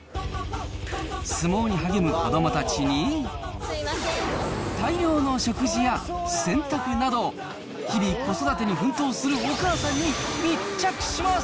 相撲に励む子どもたちに、大量の食事や洗濯など、日々子育てに奮闘するお母さんに密着します。